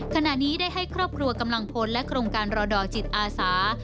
ขณะนี้ได้ให้ครอบครัวกำลังพลและโครงการรอดอจิตอาสา